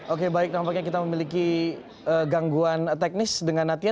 oke baik nampaknya kita memiliki gangguan teknis dengan natia